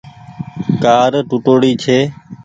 ڪآر ٽوُٽوڙي ڇي۔